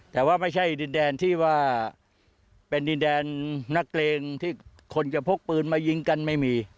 แต่ว่าไม่ใช่ดินแดนที่ว่าเป็นดินแดนนักเลงที่คนจะพกปืนมายิงกันไม่มี